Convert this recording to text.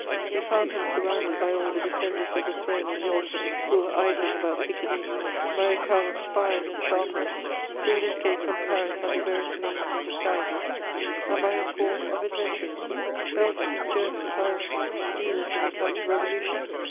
We found him surrounded by all the defenders of the Throne and the Altar who were idling about Piccadilly, by a crowd of spies and sharpers who had escaped from Paris under various names and disguises, and by a swarm of adventurers, Belgians, Germans, Irishmen, dealers in the Counter revolution.